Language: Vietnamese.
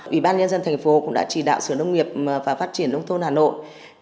ủy ban nhân dân thành phố cũng đã chỉ đạo sửa nông nghiệp và phát triển nông thôn hà nội